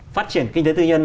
phát triển kinh tế tư nhân